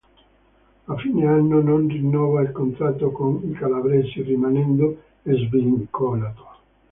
A fine anno non rinnova il contratto con i calabresi, rimanendo svincolato.